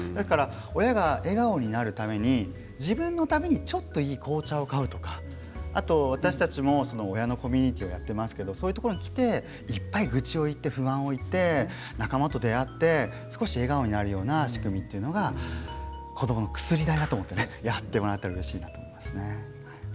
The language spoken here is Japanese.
親が笑顔になるために自分のためにちょっといい紅茶を買うとか私たちも親のコミュニティーをやっていますがそういうところでいっぱい愚痴や不満を言って仲間と出会って笑顔になるような仕組みというのが子どもの薬代と思ってやっていただきたいと思います。